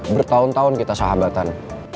bertahun tahun kita sahabatan